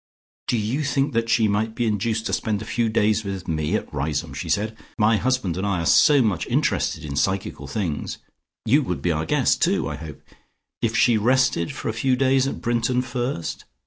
"Do you think that she might be induced to spend a few days with me at Riseholme?" she said. "My husband and I are so much interested in psychical things. You would be our guest, too, I hope. If she rested for a few days at Brinton first?